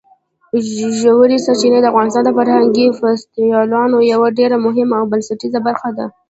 ژورې سرچینې د افغانستان د فرهنګي فستیوالونو یوه ډېره مهمه او بنسټیزه برخه ده.